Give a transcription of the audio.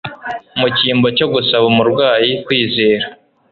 Mu cyimbo cyo gusaba umurwayi kwizera,